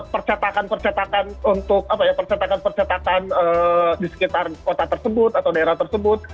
percetakan percetakan untuk percetakan percetakan di sekitar kota tersebut atau daerah tersebut